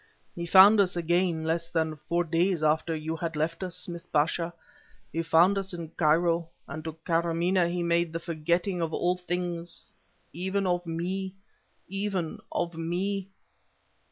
He found us again less than four days after you had left us, Smith Pasha!... He found us in Cairo, and to Karamaneh he made the forgetting of all things even of me even of me..."